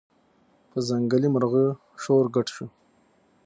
په ځنګلي مرغیو شور ګډ شو